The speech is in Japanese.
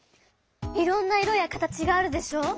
いろんな色や形があるでしょ。